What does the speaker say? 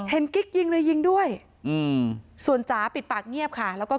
กิ๊กยิงเลยยิงด้วยส่วนจ๋าปิดปากเงียบค่ะแล้วก็